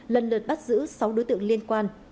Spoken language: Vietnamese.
lần lượt bắt giữ sáu đối tượng liên quan